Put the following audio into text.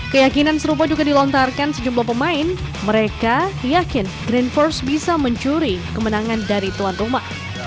keyakinan serupa juga dilontarkan sejumlah pemain mereka yakin green force bisa mencuri kemenangan dari tuan rumah